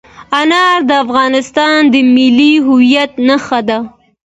انار د افغانستان د ملي هویت نښه ده.